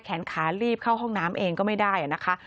แขนขารีบเข้าห้องน้ำเองก็ไม่ได้นะคะ